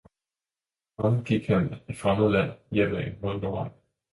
Fremmed gik han i fremmed land, hjemad, mod Norden.